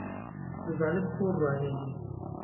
د ظالم کور ورانیږي